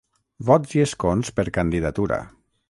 Vots i escons per candidatura.